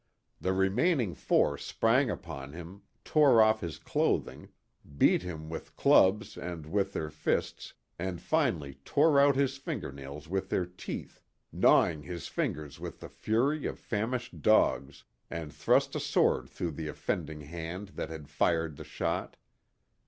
The remaining four sprang upon him, tore off his clothing, beat him with clubs and with their fists, and finally tore out his fingernails with their teeth, gnawing his fingers with the fury of famished dogs, and thrust a sword through the offending hand that had fired the shot.